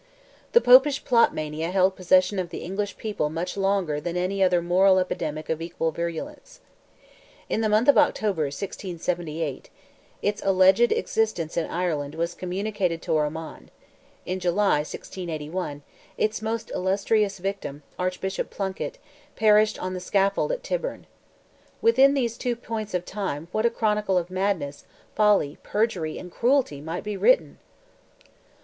The Popish plot mania held possession of the English people much longer than any other moral epidemic of equal virulence. In the month of October, 1678, its alleged existence in Ireland was communicated to Ormond; in July, 1681, its most illustrious victim, Archbishop Plunkett, perished on the scaffold at Tyburn. Within these two points of time what a chronicle of madness, folly, perjury, and cruelty, might be written?